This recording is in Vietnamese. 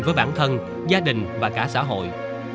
với bản thân gia đình và cả xã hội